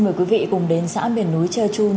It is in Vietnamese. mời quý vị cùng đến xã miền núi chơ chun